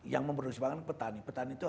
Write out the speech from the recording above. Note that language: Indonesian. yang memproduksi pangan petani